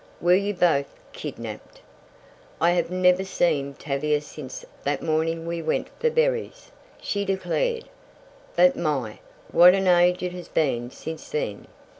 Were you both kidnapped?" "I have never seen Tavia since that morning we went for berries," she declared. "But my! What an age it has been since then!"